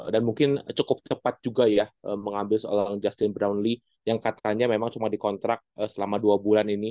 dan mungkin cukup cepat juga ya mengambil seorang justin brownlee yang katanya memang cuma dikontrak selama dua bulan ini